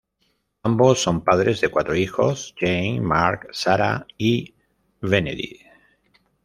Ambos son padres de cuatro hijos; Jane, Mark, Sarah y Benedict.